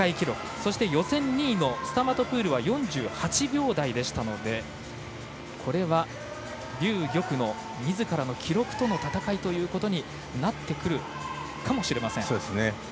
そして、予選２位のスタマトプールは４８秒台でしたのでこれは劉玉のみずからの記録との戦いということになってくるかもしれません。